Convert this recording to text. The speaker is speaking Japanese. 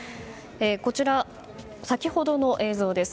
こちら、先ほどの映像です。